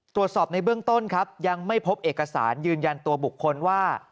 ตรวจสอบในเบื้องต้นครับยังไม่พบเอกสารยืนยันตัวบุคคลว่า